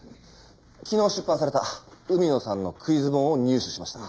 昨日出版された海野さんのクイズ本を入手しました。